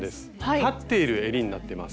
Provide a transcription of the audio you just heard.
立っているえりになってます。